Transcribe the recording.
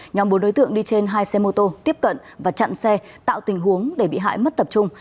nhóm bốn đối tượng đi trên hai xe mô tô tiếp cận và chặn xe tạo tình huống để bị hại mất tập trung